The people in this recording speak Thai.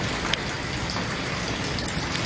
พร้อมทุกสิทธิ์